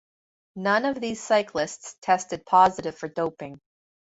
None of these cyclists tested positive for doping.